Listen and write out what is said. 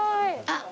あっ！